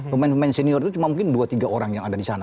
pemain pemain senior itu cuma mungkin dua tiga orang yang ada di sana